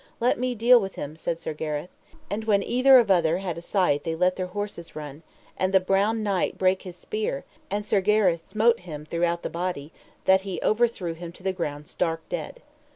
Let me deal with him, said Sir Gareth. And when either of other had a sight they let their horses run, and the Brown Knight brake his spear, and Sir Gareth smote him throughout the body, that he overthrew him to the ground stark dead.